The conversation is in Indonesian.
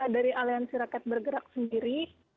dari aliansi rakyat bergerak sendiri